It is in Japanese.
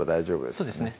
そうですね